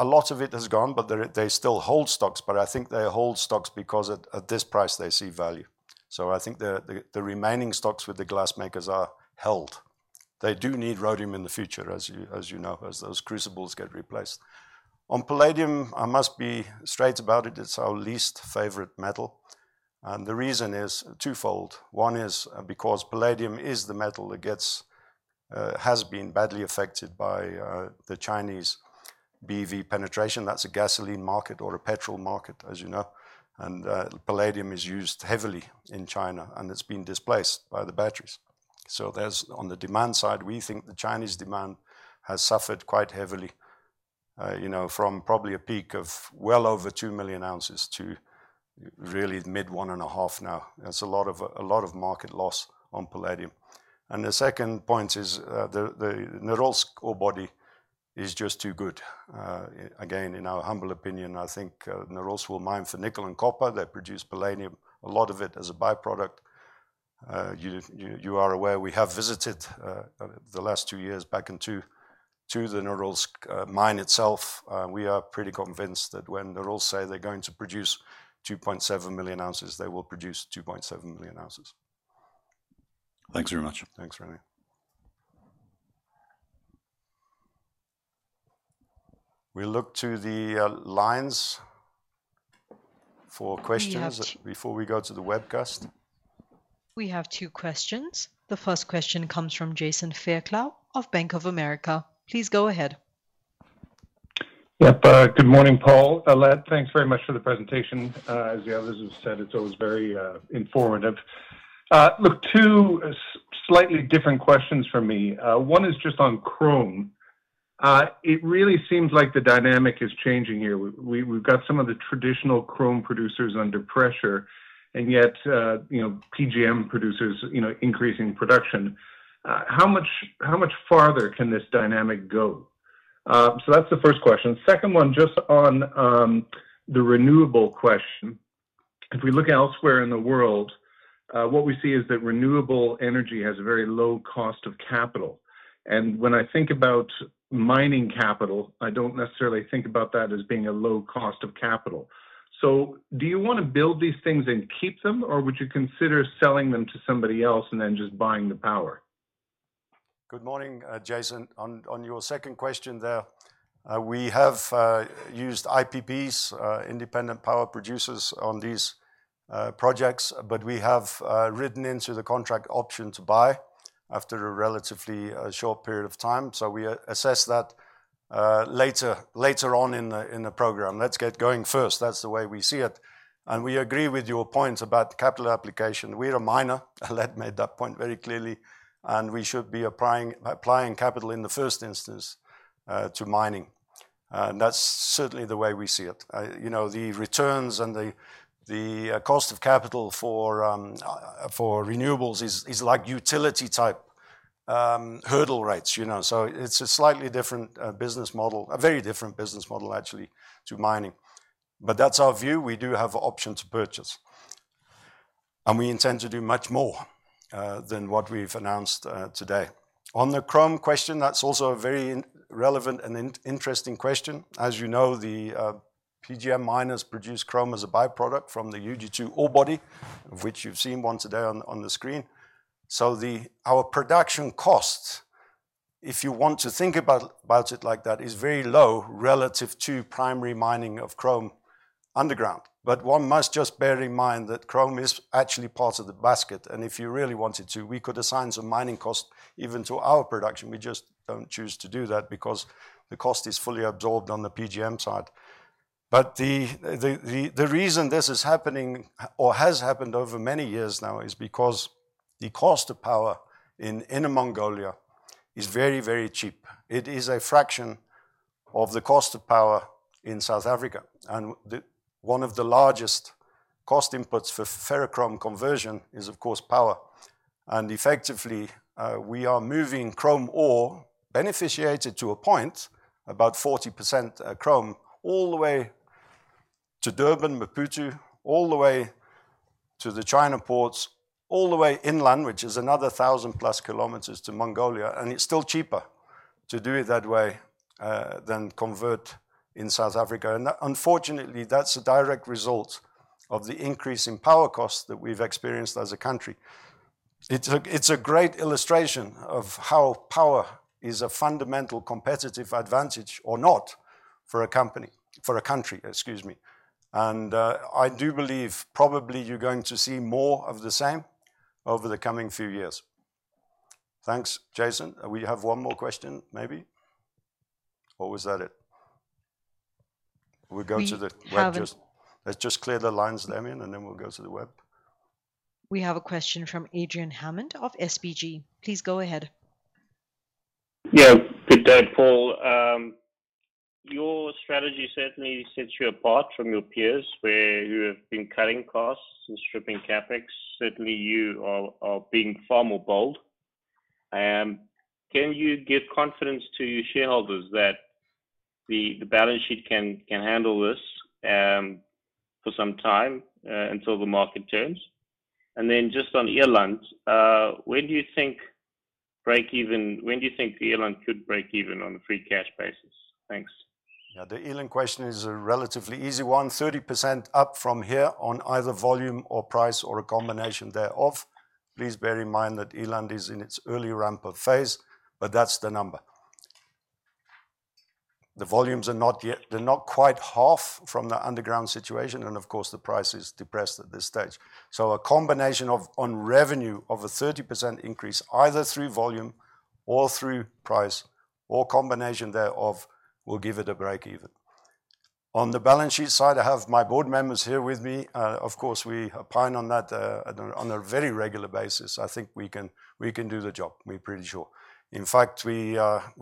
A lot of it has gone, but they still hold stocks, but I think they hold stocks because at this price they see value. So I think the remaining stocks with the glassmakers are held. They do need Rhodium in the future, as you know, as those crucibles get replaced. On Palladium, I must be straight about it. It's our least favorite metal. And the reason is twofold. One is because Palladium is the metal that has been badly affected by the Chinese BEV penetration. That's a gasoline market or a petrol market, as you know. And Palladium is used heavily in China, and it's been displaced by the batteries. So on the demand side, we think the Chinese demand has suffered quite heavily from probably a peak of well over 2 million ounces to really mid one and a half now. That's a lot of market loss on Palladium. And the second point is the Nornickel ore body is just too good. Again, in our humble opinion, I think Nornickel will mine for nickel and copper. They produce Palladium, a lot of it as a byproduct. You are aware, we have visited the last two years back into the Nornickel mine itself. We are pretty convinced that when Nornickel say they're going to produce 2.7 million ounces, they will produce 2.7 million ounces. Thanks very much. Thanks, René. We'll look to the lines for questions before we go to the webcast. We have two questions. The first question comes from Jason Fairclough of Bank of America. Please go ahead. Yep, good morning, Paul. Aletta, thanks very much for the presentation. As the others have said, it's always very informative. Look, two slightly different questions for me. One is just on chrome. It really seems like the dynamic is changing here. We've got some of the traditional chrome producers under pressure, and yet PGM producers increasing production. How much farther can this dynamic go? So that's the first question. Second one, just on the renewable question. If we look elsewhere in the world, what we see is that renewable energy has a very low cost of capital. And when I think about mining capital, I don't necessarily think about that as being a low cost of capital. So do you want to build these things and keep them, or would you consider selling them to somebody else and then just buying the power? Good morning, Jason. On your second question there, we have used IPPs, independent power producers on these projects, but we have written into the contract option to buy after a relatively short period of time. So we assess that later on in the program. Let's get going first. That's the way we see it, and we agree with your points about capital application. We're a miner. Aletta made that point very clearly, and we should be applying capital in the first instance to mining, and that's certainly the way we see it. The returns and the cost of capital for renewables is like utility-type hurdle rates, so it's a slightly different business model, a very different business model actually to mining, but that's our view. We do have option to purchase, and we intend to do much more than what we've announced today. On the chrome question, that's also a very relevant and interesting question. As you know, the PGM miners produce chrome as a byproduct from the UG2 ore body, which you've seen once a day on the screen. So our production cost, if you want to think about it like that, is very low relative to primary mining of chrome underground. But one must just bear in mind that chrome is actually part of the basket. And if you really wanted to, we could assign some mining costs even to our production. We just don't choose to do that because the cost is fully absorbed on the PGM side. But the reason this is happening or has happened over many years now is because the cost of power in Mongolia is very, very cheap. It is a fraction of the cost of power in South Africa. And one of the largest cost inputs for ferrochrome conversion is, of course, power. And effectively, we are moving chrome ore, beneficiated to a point, about 40% chrome, all the way to Durban, Maputo, all the way to the China ports, all the way inland, which is another 1,000 plus kilometers to Mongolia. And it's still cheaper to do it that way than convert in South Africa. And unfortunately, that's a direct result of the increase in power costs that we've experienced as a country. It's a great illustration of how power is a fundamental competitive advantage or not for a company, for a country, excuse me. And I do believe probably you're going to see more of the same over the coming few years. Thanks, Jason. We have one more question, maybe. Or was that it? [crosstalk] We'll go to the web just. Let's just clear the lines, Damian, and then we'll go to the web. We have a question from Adrian Hammond of SBG. Please go ahead. Yeah, good day, Paul. Your strategy certainly sets you apart from your peers where you have been cutting costs and stripping CapEx. Certainly, you are being far more bold. Can you give confidence to your shareholders that the balance sheet can handle this for some time until the market turns? And then just on Eland, when do you think break even? When do you think Eland could break even on a free cash basis? Thanks. Yeah, the Eland question is a relatively easy one. 30% up from here on either volume or price or a combination thereof. Please bear in mind that Eland is in its early ramp-up phase, but that's the number. The volumes are not yet, they're not quite half from the underground situation. And of course, the price is depressed at this stage. A combination of on revenue of a 30% increase, either through volume or through price or combination thereof, will give it a break even. On the balance sheet side, I have my board members here with me. Of course, we opine on that on a very regular basis. I think we can do the job. We're pretty sure. In fact, we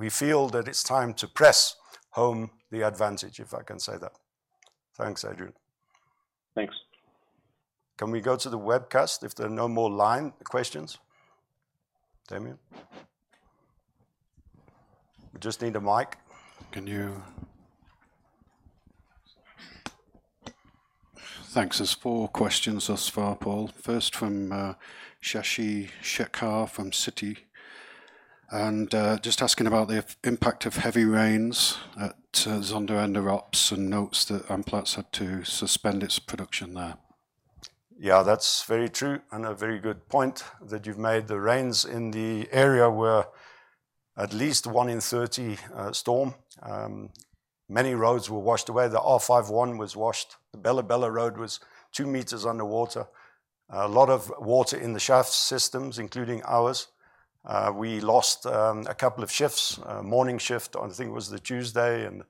feel that it's time to press home the advantage, if I can say that. Thanks, Adrian. Thanks. Can we go to the webcast if there are no more line questions? Damian? We just need a mic. Can you? Thanks. There's four questions thus far, Paul. First from Shashi Shekhar from Citi. And just asking about the impact of heavy rains at Zondereinde and the rocks and notes that Ivanplats had to suspend its production there. Yeah, that's very true and a very good point that you've made. The rains in the area were at least one in 30 storm. Many roads were washed away. The R51 was washed. The Bela-Bela Road was two meters underwater. A lot of water in the shaft systems, including ours. We lost a couple of shifts, morning shift on, I think it was the Tuesday, and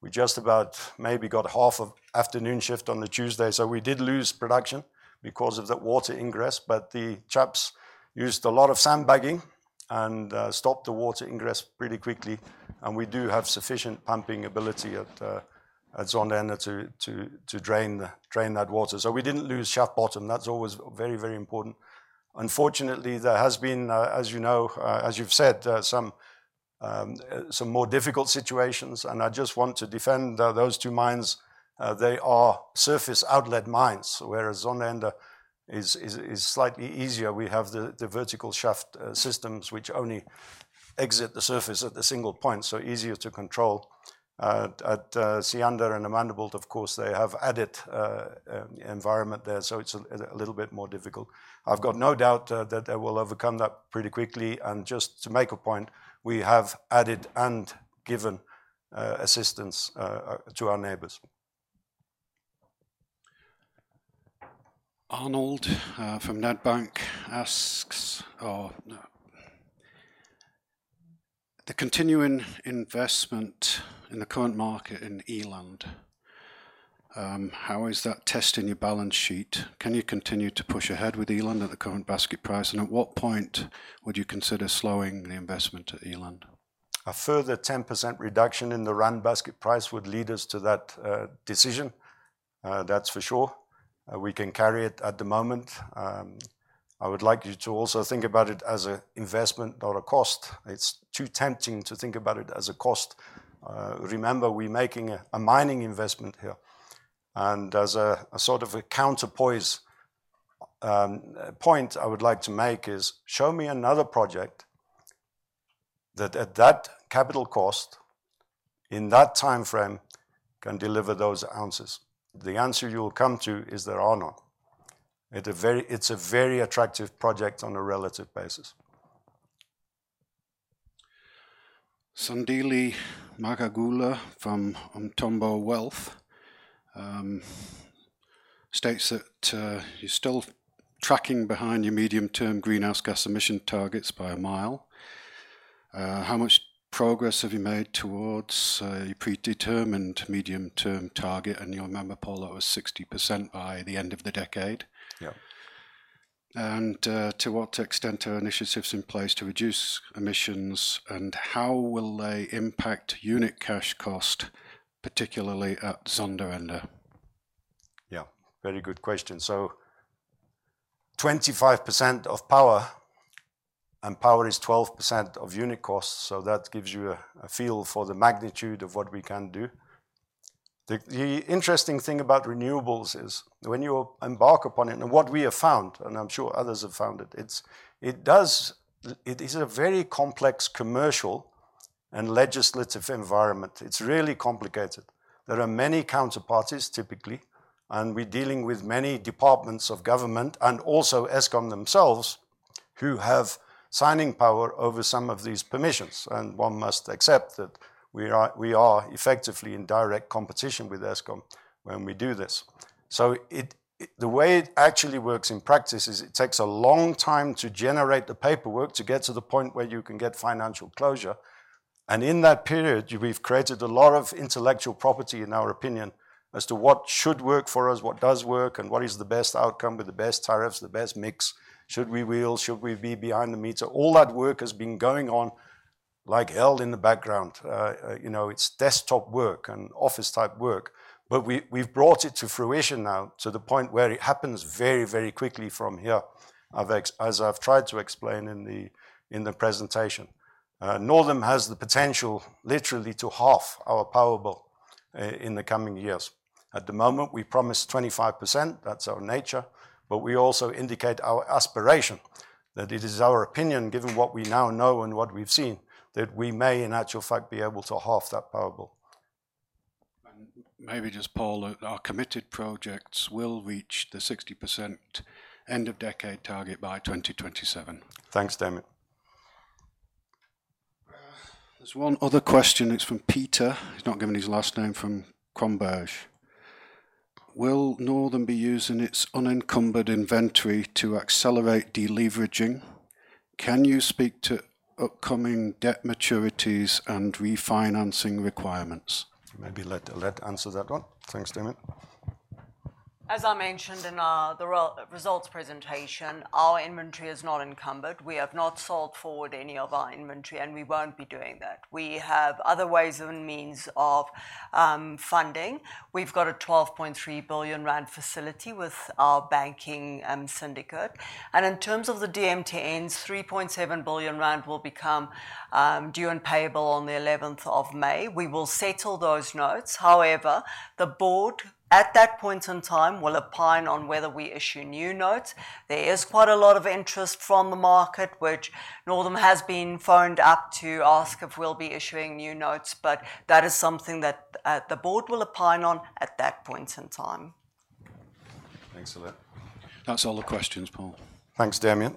we just about maybe got half of afternoon shift on the Tuesday. So we did lose production because of that water ingress. But the chaps used a lot of sandbagging and stopped the water ingress pretty quickly. And we do have sufficient pumping ability at Zondereinde to drain that water. So we didn't lose shaft bottom. That's always very, very important. Unfortunately, there has been, as you know, as you've said, some more difficult situations. And I just want to defend those two mines. They are surface outlet mines, whereas Zondereinde is slightly easier. We have the vertical shaft systems, which only exit the surface at a single point, so easier to control. At Zondereinde and Amandelbult, of course, they have adverse environment there, so it's a little bit more difficult. I've got no doubt that they will overcome that pretty quickly. And just to make a point, we have added and given assistance to our neighbors. Arnold from Nedbank asks, the continuing investment in the current market in Eland, how is that testing your balance sheet? Can you continue to push ahead with Eland at the current basket price? And at what point would you consider slowing the investment at Eland? A further 10% reduction in the run basket price would lead us to that decision. That's for sure. We can carry it at the moment. I would like you to also think about it as an investment or a cost. It's too tempting to think about it as a cost. Remember, we're making a mining investment here, and as a sort of a counterpoint, I would like to make is show me another project that at that capital cost, in that timeframe, can deliver those ounces. The answer you will come to is there are not. It's a very attractive project on a relative basis. Sandile Magagula from Umthombo Wealth states that you're still tracking behind your medium-term greenhouse gas emission targets by a mile. How much progress have you made towards a predetermined medium-term target, and you'll remember, Paul, that was 60% by the end of the decade, and to what extent are initiatives in place to reduce emissions and how will they impact unit cash cost, particularly at Zondereinde? Yeah, very good question, so 25% of power and power is 12% of unit costs. So that gives you a feel for the magnitude of what we can do. The interesting thing about renewables is when you embark upon it and what we have found, and I'm sure others have found it, it is a very complex commercial and legislative environment. It's really complicated. There are many counterparties typically, and we're dealing with many departments of government and also Eskom themselves who have signing power over some of these permissions. And one must accept that we are effectively in direct competition with Eskom when we do this. So the way it actually works in practice is it takes a long time to generate the paperwork to get to the point where you can get financial closure. And in that period, we've created a lot of intellectual property in our opinion as to what should work for us, what does work, and what is the best outcome with the best tariffs, the best mix. Should we wheel? Should we be behind the meter? All that work has been going on like hell in the background. It's desktop work and office-type work. But we've brought it to fruition now to the point where it happens very, very quickly from here, as I've tried to explain in the presentation. Northam has the potential literally to half our power bill in the coming years. At the moment, we promise 25%. That's our nature. But we also indicate our aspiration that it is our opinion, given what we now know and what we've seen, that we may in actual fact be able to half that power bill. Maybe just, Paul, our committed projects will reach the 60% end-of-decade target by 2027. Thanks, Damian. There's one other question. It's from Peter. He's not given his last name from Kromberg. Will Northam be using its unencumbered inventory to accelerate deleveraging? Can you speak to upcoming debt maturities and refinancing requirements? Maybe Aletta let answer that one. Thanks, Damian. As I mentioned in the results presentation, our inventory is not encumbered. We have not sold forward any of our inventory, and we won't be doing that. We have other ways and means of funding. We've got a 12.3 billion rand facility with our banking syndicate. And in terms of the DMTNs, 3.7 billion rand will become due and payable on the 11th of May. We will settle those notes. However, the board at that point in time will opine on whether we issue new notes. There is quite a lot of interest from the market, which Northam has been phoned up to ask if we'll be issuing new notes. But that is something that the board will opine on at that point in time. Thanks for that. That's all the questions, Paul. Thanks, Damian.